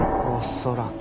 恐らく。